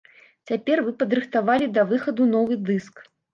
Цяпер вы падрыхтавалі да выхаду новы дыск.